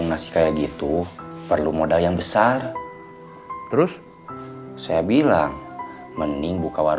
tapi di duit setelah sampai kelar